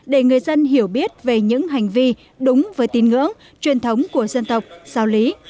để người dân hiểu biết về những hành vi đúng với tín ngưỡng truyền thống của dân tộc giáo lý